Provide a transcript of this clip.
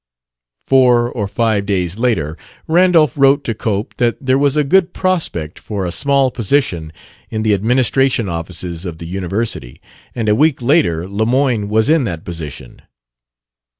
Four or five days later, Randolph wrote to Cope that there was a good prospect for a small position in the administration offices of the University, and a week later Lemoyne was in that position.